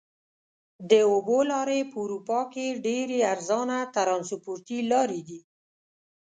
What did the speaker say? د اوبو لارې په اروپا کې ډېرې ارزانه ترانسپورتي لارې دي.